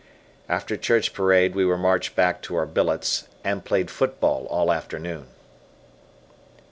After church parade we were marched back to our billets, and played football all afternoon.